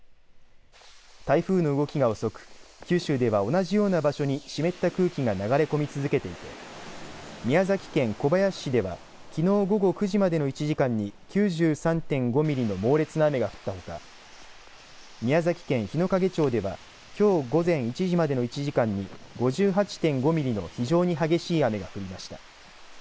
台風の動きが遅く九州ではを同じような場所に湿った空気が流れ込み続けていて宮崎県小林市ではきのう午後９時までの１時間に９３．５ミリの猛烈な雨が降ったほか宮崎県日之影町ではきょう午前１時までの１時間に５８．５ミリの非常に激しい雨が降りました。